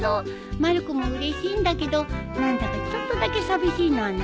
まる子もうれしいんだけど何だかちょっとだけ寂しいのは何でだろう。